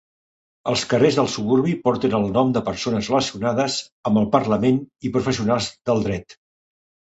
Els carrers del suburbi porten el nom de persones relacionades amb el parlament i professionals del dret.